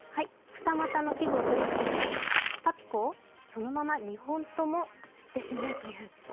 二股の器具を取り付けて、パピコをそのまま２本とも吸ってしまうという。